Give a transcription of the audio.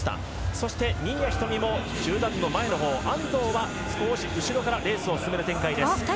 そして新谷仁美も集団の前のほう安藤は少し後ろからレースを進める展開です。